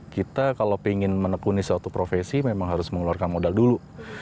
kita kalau ingin menekuni suatu profesi memang harus mengeluarkan modal dulu